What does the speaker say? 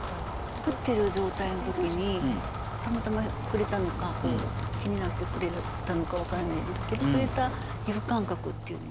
降っている状態の時にたまたま触れたのか気になって触れたのか分からないですけど触れた皮膚感覚っていうんですかね